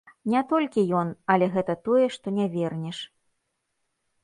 Не толькі ён, але гэта тое, што не вернеш.